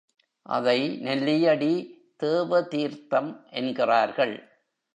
அதை நெல்லியடி தேவதீர்த்தம் என்கிறார்கள்.